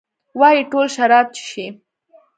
وايي ټول شراب چښي؟